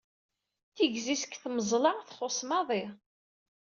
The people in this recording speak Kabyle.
Tigzi-s deg tmeẓla txuṣṣ maḍi..